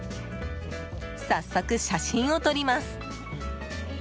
早速、写真を撮ります。